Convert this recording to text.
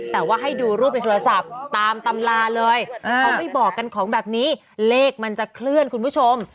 แต่ว่าให้ดูรูปในโทรศัพท์ตามตำราเลยเขาไม่บอกกันของแบบนี้เลขมันจะเคลื่อนคุณผู้ชม